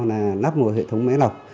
là nắp một hệ thống máy lọc